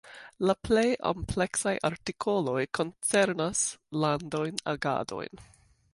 La plej ampleksaj artikoloj koncernas landajn agadojn.